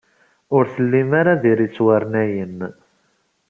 Ur tellim ara d irettwarnayen.